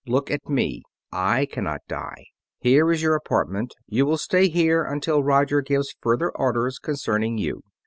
Look at me: I cannot die. Here is your apartment. You will stay here until Roger gives further orders concerning you."